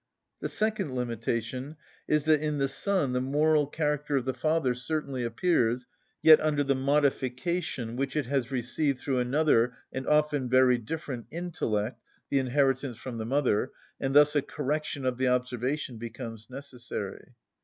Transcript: The second limitation is, that in the son the moral character of the father certainly appears, yet under the modification which it has received through another and often very different intellect (the inheritance from the mother), and thus a correction of the observation becomes necessary.